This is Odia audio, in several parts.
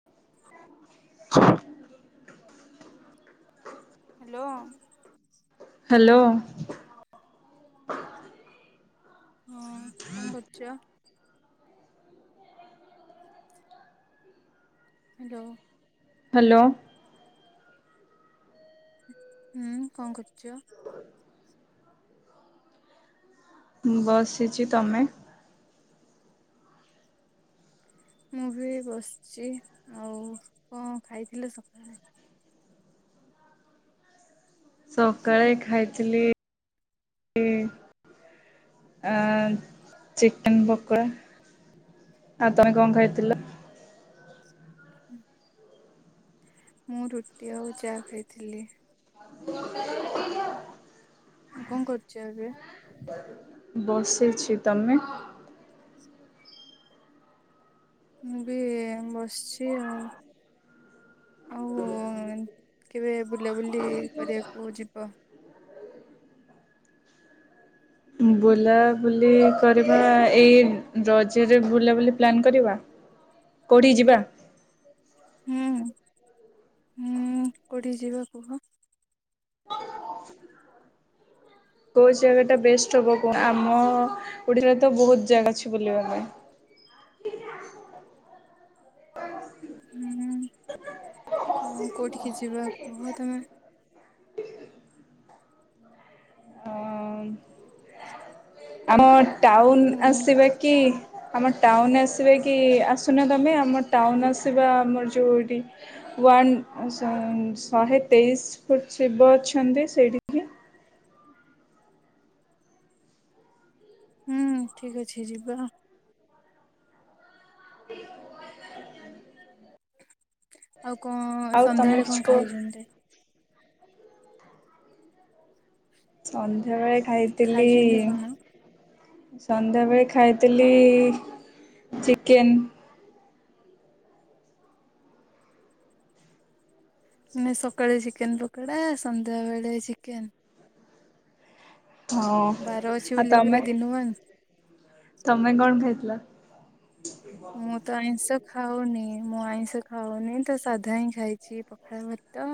[inaudible] ହ୍ୟାଲୋ। ହ୍ୟାଲୋ। ହଁ କଣ କରୁଛ। ହ୍ୟାଲୋ। ହ୍ୟାଲୋ। ହୁଁ କଣ କରୁଛ। ମୁଁ ବସିଛି ତମେ ମୁଁ ବି ବସିଛି ଆଉ କଣ ଖାଇଥିଲେ ସକାଳେ ସକାଳେ ଖାଇଥିଲି ଇ ଆ ଚିକେନ ପକଡା। ଆଉ ତମେ କଣ ଖାଇଥିଲ? ମୁଁ ରୁଟି ଆଉ ଚା ଖାଇଥିଲି। ଆଉ କଣ କରୁଛ ଏବେ? ହ [inaudible] ବସିଛି ତମେ? ମୁଁ ବି ବସିଛି ଆଉ। ଆଉ କେବେ ବୁଲାବୁଲି କରିବାକୁ ଯିବ? ବୁଲାବୁଲି କରିବା ଏଇ ରଜରେ ବୁଲାବୁଲି ପ୍ଲାନ୍ କରିବା। କେଉଁଠି କି ଯିବା? ହୁଁ ହୁଁ କୋଉଠି କି ଯିବା କୁହ? କୋଉ ଜାଗାଟା ବେଷ୍ଟ ହେବ କୁହ? ଆମ ଓଡ଼ିଶାରେ ତ ବହୁତ ଜାଗା ଅଛି ବୁଲିବା ପାଇଁ। ହୁଁ। ତ କୋଉଠିକି ଯିବା କୁହ ତମେ? ହଁ ଆମ ଟାଉନ ହୁଁ ଆସିବେ କି? ଆମ ଟାଉନ ଆସିବେ କି ଆସୁନା ତମେ ଆମ ଟାଉନ ଆସିବା ଆମର ଯୋଉ ଏଠି ୱାନ ଶହେ ଶହେତେଇଶ ଫୁଟ ଶିବ ଅଛନ୍ତି ସେଠି। ହୁଁ ଠିକ ଅଛି ଯିବା। ଆଉ କଣ ଆଉ ତମେ ସନ୍ଧ୍ୟାବେଳେ କିଛି କଣ କୁହ ଖାଇଛନ୍ତି? ସନ୍ଧ୍ୟାବେଳେ ଖାଇଥିଲି ଖାଇଛନ୍ତି କଣ? ସନ୍ଧ୍ୟାବେଳେ ଖାଇଥିଲି ଚିକେନ। ମାନେ ସକାଳେ ଚିକେନ ପକଡା ସନ୍ଧ୍ୟାବେଳେ ଚିକେନ। ହଁ ବାର ଅଛି ଆଉ ବୋଲି ତମେ ପୁରା ଦିନୁଆ। ତମେ କଣ ଖାଇଥିଲ? ମୁଁ ତ ଆଇଁଷ ଖାଉନି। ମୁଁ ଆଇଁଷ ଖାଉନି ତ ସାଧା ହିଁ ଖାଇଛି। ପଖାଳ ଭାତ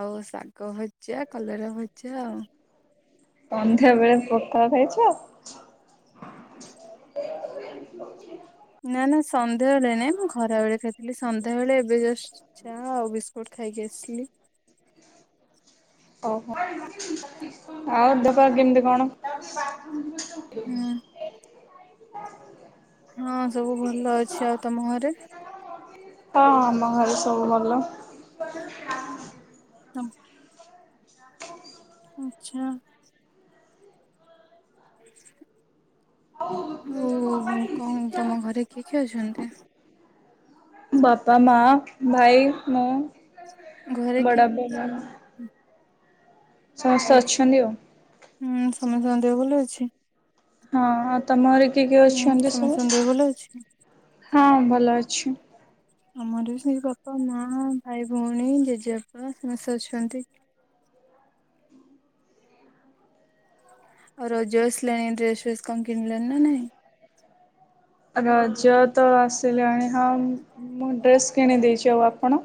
ଆଉ ଶାଗ ଭଜା, କଲରା ଭଜା ଆଉ ସନ୍ଧ୍ୟାବେଳେ ପକାଳ ଖାଇଛ? [inaudible] [inaudible] ନା ନା ସନ୍ଧ୍ୟାବେଳେ ନାଇଁ ମୁଁ ଖରାବେଳେ ଖାଇଥିଲି। ସନ୍ଧ୍ୟାବେଳେ ଏବେ ଜଷ୍ଟ ଚା ଆଉ ବିସ୍କୁଟ ଖାଇକି ଆସିଲି। ଓହୋ ଆଉ ଦପ କେମିତି କଣ? ହୁଁ ଆ [inaudible] ହଁ ସବୁ ଭଲ ଅଛି ଆଉ ତମ ଘରେ? ହଁ ଆମ ଘରେ ସବୁ ଭଲ। ତମ ଆଛା। [inaudible] ଆଉ କଣ ତମ ଘରେ କିଏ କିଏ ଅଛନ୍ତି? ବାପା, ମା, ଭାଇ, ଘରେ ମୁଁ, କିଏ ବଡ [inaudible] ଆଛା ଅଛନ୍ତି ଆଉ ହୁଁ ସମସ୍ତଙ୍କ ଦେହ ଭଲ ଅଛି। ହଁଉ ତମର କିଏ କିଏ ହୁଁ ଅଛନ୍ତି ସମସ୍ତଙ୍କ ସବୁ? ଦେହ ଭଲ ଅଛି? ହଁ ଭଲ ଅଛି। ଆମର ବି ସେ ବାପା, ମା, ଭାଇ, ଭଉଣୀ, ଜେଜେବାପା ସମସ୍ତେ ଅଛନ୍ତି। ଆଉ ରଜ ଆସିଲାଣି ଡ୍ରେସ ଫେସ କଣ କିଣିଲଣି ନା ନାଇଁ? ରଜ ତ ଆସିଲାଣି ହଁ ମୁଁ ଡ୍ରେସ୍ କିଣିଦେଇଛି ଆଉ ଆପଣ?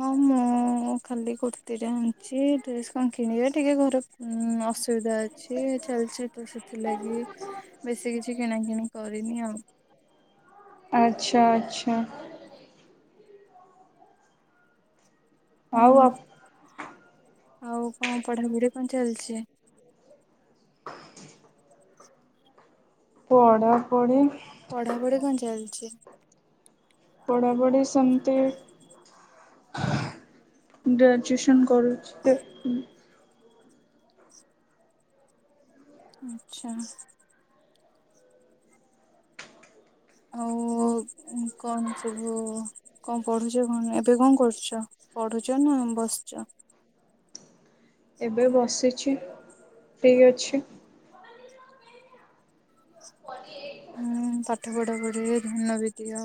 ହଁ ମୁଁ ଖାଲି କୁର୍ତିଟା ଆଣିଛି ଡ୍ରେସ୍ କଣ କିଣିବେ ଟିକେ ଘରେ ଉଁ ଅସୁବିଧା ଅଛି ଚାଲିଛି ତ ସେଥିଲାଗି ବେଶୀ କିଛି କିଣା କିିଣି କରିନି ଆଉ। ଆଚ୍ଛା ଆଚ୍ଛା। ଆଉ ହୁଁ ଆ ଆଉ କଣ ପଢାପଢି କଣ ଚାଲିଛି? ପଢା ପଢି? ପଢାପଢି କଣ ଚାଲିଛି? ପଢାପଢି ସେମିତି ଗ୍ରାଜୁଏସନ୍ କରୁଛି ତ। ଆଛା। ଆଉ କଣ ସବୁ କଣ ପଢୁଛ କଣ ଏବେ କଣ କରୁଛ ପଢୁଛ ନା ବସିଛ? ଏବେ ବସିଛି ଫ୍ରି ଅଛି। ହୁଁ ପାଠ ପଢାପଢିରେ ଧ୍ୟାନ ବି ଦିଅ।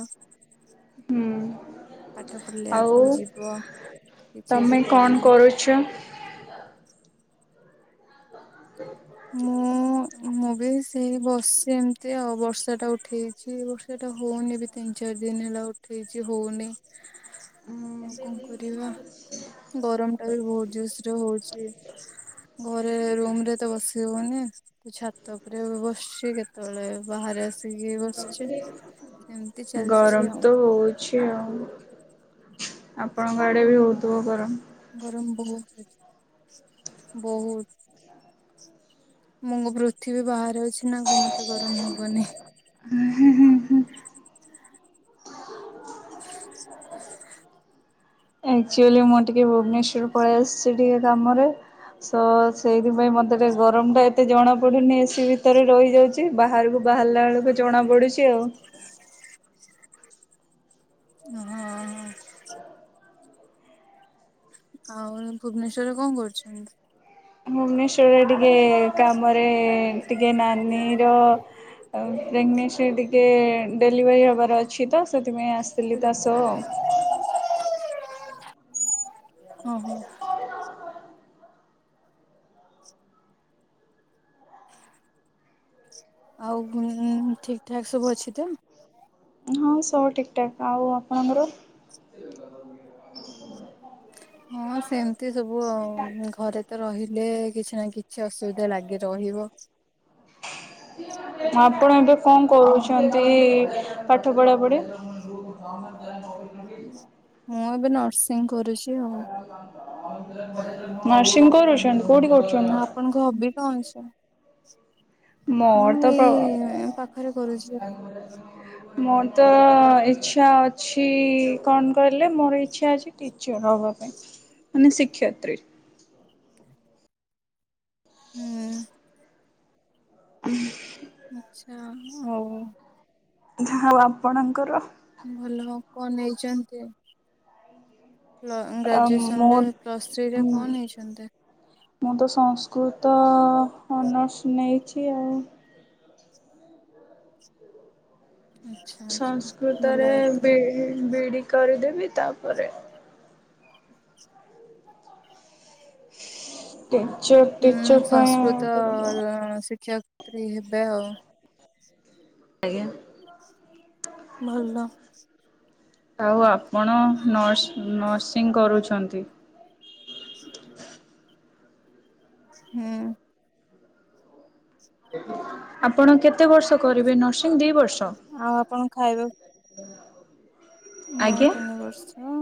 ହୁଁ। ପାଠ ପଢିଲେ ଆଉ ଆଗକୁ ଯିବ କିଛି ତମେ ଗୋଟେ କଣ କରିବୁ। [unintelligible] ମୁଁ ମୁଁ ବି ସେଇ ବସିଛି ଏମିତି ଆଉ ବର୍ଷାଟା ଉଠେଇଛି ବର୍ଷା ଟା ହଉନି ବି। ତିନି ଚାରି ଦିନି ହେଲା ଉଠେଇଛି ହଉନାହିଁ। [unintelligible] ଆଉ କଣ କରିବା ଗରମ ଟା ବି ବହୁତ ଜୋସରେ ହଉଛି। ଘରେ ରୁମ ରେ ତ ବସି ହବନି। ଛାତ ଉପରେ ବସିଚି କେତେବେଳେ ବାହାରେ ଆସିକି ବସିଛି। ଏମିତି ଚାଲିଛି ଗରମ ଆଉ ତୁ ଛି ଆଉ ଆପଣଙ୍କ ଗାଡେ ବି ହଉଥିବ ଗରମ। ଗରମ ବହୁତ ବହୁତ। ମୁଁ ପୃଥିବୀ ବାହାରେ ଅଛି ନା କ ମତେ ଗରମ ହବନି। ହୁଁ ହୁଁ ହୁଁ ହୁଁ। ଆକ୍ଚୁଆଲି ମୁଁ ଟିକେ ଭୁବନେଶ୍ଵର ପଳେଇ ଆସିଛି ଟିକେ କାମରେ। ସ ସେଇଥିପାଇଁ ମତେ ଟେ ଗରମ ଟା ଏତେ ଜଣା ପଡୁନି ଏସି ଭିତରେ ରହିଯାଉଛି। ବାହାରକୁ ବାହାରିଲା ବେଳକୁ ଜଣା ପଡୁଛି ଆଉ। ହଁ ହ। ଆଉ ଭୁବନେଶ୍ଵରେ କଣ କରୁଛନ୍ତି? ଭୁବନେଶ୍ଵରରେ ଟିକେ କାମରେ ଟିକେ ନାନୀ ର ଆଉ ପ୍ରେଗନେସିରେ ଟିକେ ଡେଲିଭରି ହବାର ଅଛି ତ ସେଥିପାଇଁ ଆସିଥିଲି ତା ସହ। [unintelligible] ଓହୋ [unintelligible] ଆଉ କଣ ଠିକ ଠାକ୍ ସବୁ ଅଛି ତ? ହଁ ସବୁ ଠିକଠାକ୍, ଆଉ ଆପଣଙ୍କ ଘରେ? ହଁ ସେମତି ସବୁ ଆଉ, ଘରେ ତ ରହିଲେ କିଛି ନା କିଛି ଅସୁବିଧା ଲାଗି ରହିବ। ଆପଣ ଏବେ କଣ କରୁଛନ୍ତି ପାଠ ପଢାପଢି? ମୁଁ ଏବେ ନର୍ସିଂ କରୁଛି। ଆଉ। ନରସିଂ କରୁଛନ୍ତି, କୋଉଠି କରିଛନ୍ତି? ଆପଣଙ୍କ ହବି କଣ ସେ? ମୋର ମୁଁ ତ ପ୍ର ଏଇ ପାଖରେ କରୁଛି। ମୋର ତ ଇଛା ଅଛି କଣ କହିଲେ ମୋର ଇଛା ଅଛି ଟିଚର ହବା ପାଇଁ ମାନେ ଶିକ୍ଷୟତ୍ରୀ। ହୁଁ। ହୁଁ। ଆଚ୍ଛା ଆଉ ଯାହାଉ ଆପଣଙ୍କର ଭଲ କଣ ନେଇଛନ୍ତି ଆଉ ଆ ଗ୍ରାଜୁଏସନ ମୁଁ ରେ ପ୍ଲସ୍ ଥ୍ରୀରେ ହୁଁ କଣ ନେଇଛନ୍ତି? ମୁଁ ତ ସଂସ୍କୃତ ଅନର୍ସ ନେଇଚି ଆଉ। ଆଚ୍ଛା ଆଚ୍ଛା ଭଲ ସଂସ୍କୃତରେ କଥା। ବି ବି ଇ ଡି କରିଦେବି ତାପରେ ହ କେଞ୍ଚ ହୁଁ ସଂସ୍କୃତ ଶିକ୍ଷୟତ୍ରୀ ହେବେ ଆଉ। ଆଜ୍ଞା। ଭଲ। ଆଉ ଆପଣ ନର୍ସ ନର୍ସିଂ କରୁଛନ୍ତି? [unintelligible] ହୁଁ ଆପଣ କେତେ ବର୍ଷ କରିବେ ନର୍ସିଂ ଦି ବର୍ଷ? ଆଉ ଆପଣ ଖାଇବା [unintelligible] ନାଇଁ ଆଜ୍ଞା ତିନି ବର୍ଷ ଅ।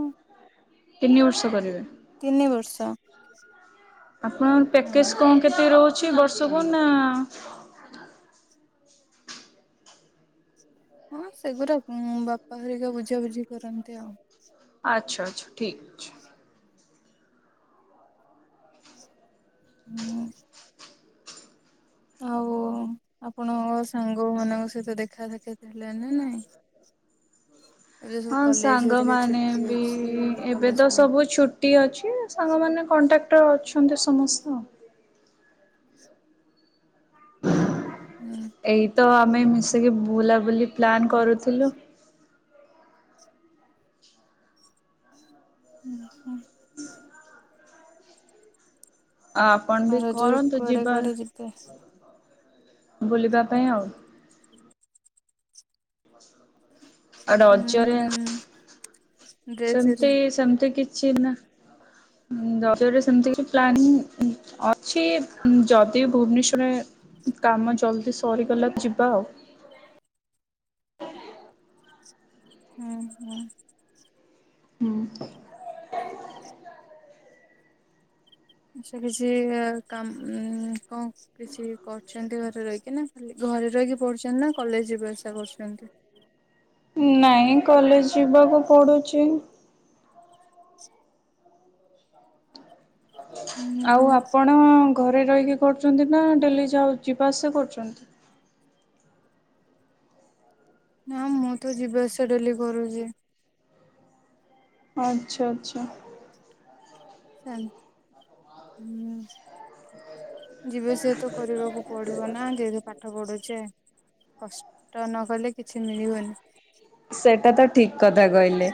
ତିନି ବର୍ଷ କରିବେ? ତିନି ବର୍ଷ। ଆପଣଙ୍କ ପ୍ୟାକେଜ ହଁ। କଣ କେତେ ରହୁଛି ବର୍ଷକୁ ନା ଆ ହଁ ସେଗୁରା ବାପା ଘରିକା ବୁଝାବୁଝି କରନ୍ତି ଆଉ। ଆଚ୍ଛା ଆଚ୍ଛା ଠିକ୍ ଅଛି। ହୁଁ ଆଉ ଆପଣଙ୍କ ସାଙ୍ଗ ମାନଙ୍କ ସହିତ ଦେଖା ସାକ୍ଷାତ ହେଲାଣି ନା ନାଇଁ। ଏବେ ସବୁ ହଁ କଲେଜ ହେରିକା ସାଙ୍ଗମାନେ ଛୁଟି ବି ଅଛି ଏବେ କଲେଜ ତ ଫଲେଜ ସବୁ ଛୁ ଟି ଅଛି ସାଙ୍ଗମାନେ କଣ୍ଟାକ୍ଟର ଅଛନ୍ତି ସମସ୍ତ ଆଉ। ହୁଁ। ଏଇ ତ ଆମେ ମିଶିକି ବୁଲାବୁଲି ପ୍ଲାନ୍ କରୁଥିଲୁ ଉଁ ହୁଁ। ଆଉ ଆପଣ ବି ରଜରେ କରନ୍ତୁ କୁଆଡେ ଯିବା କୁଆଡେ ଯିବେ? ବୁଲିବା ପାଇଁ ଆଉ। ଆ ହୁଁ ରଜରେ ହୁଁ ଡ୍ରେସ ହେରି ସେମତି ସେମତି କିଛି ନା ରଜ ରେ ସେମତି କି ପ୍ଲାନ ଅଛି ଯଦି ଭୁବନେଶ୍ଵରରେ କାମ ଜଲ୍ଦି ସରିଗଲାକୁ ଯିବା ଆଉ। ଉଁ ହୁଁ। ହୁଁ କିଛି କିଛି କାମ କଣ କିଛି କରୁଛନ୍ତି ଘରେ ରହିକି ନା ଖାଲି ଘରେ ରହିକି ପଢ଼ୁଛନ୍ତି ନା କଲେଜ ଯିବା ଆସିବା କରୁଛନ୍ତି? ନାଇଁ କଲେଜ ଯିବାକୁ ପଡୁଚି ହୁଁ ଆଉ ହୁଁ ଆପଣ ଘରେ ରହିକି କରୁଚନ୍ତି ନା ଡେଲି ଯାଉ ଯିବା ଆସିବା କରୁଚନ୍ତି? ନା ମୁଁ ତ ଡେଲି ଯିବା ଆସିବା ଡେଲି କରୁଜି। ଆଚ୍ଛା ଆଚ୍ଛା। ସେ ହୁଁ ଯିବା ଆସିବା ତ କରିବାକୁ ପଡି଼ବ ନା ଯେହେତୁ ପାଠ ପଢୁଚେ କଷ୍ ଟ ନ କଲେ କିଛି ମିଳିବନି। ସେଟା ତ ଠିକ କଥା କହିଲେ,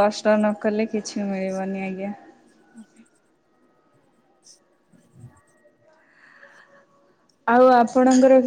କଷ୍ଟ ନ କଲେ କିଛି ମିଳିବନି, ଆଜ୍ଞା। ହୁଁ ଆଉ ଆପଣଙ୍କର